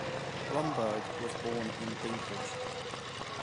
Romberg was born in Dinklage.